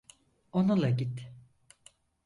Onunla git.